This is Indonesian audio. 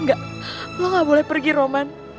enggak lo gak boleh pergi roman